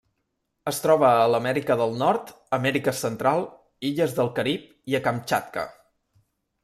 Es troba a l'Amèrica del Nord, Amèrica Central, illes del Carib i a Kamtxatka.